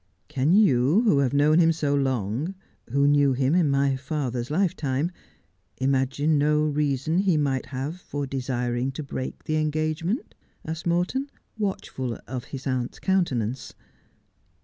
'Can you, who have known him so long, who knew him in my father's life time, imagine no reason he might have for desiring to break the engagement ?' asked Morton, watchful of his aunt's countenance.